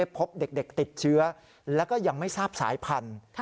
พบเด็กติดเชื้อแล้วก็ยังไม่ทราบสายพันธุ์